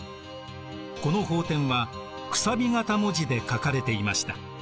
この法典は楔形文字で書かれていました。